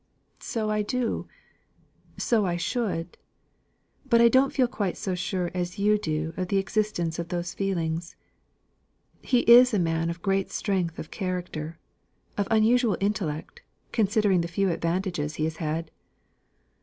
"So I do so I should; but I don't feel quite so sure as you do of the existence of those feelings. He is a man of great strength of character of unusual intellect, considering the few advantages he has had."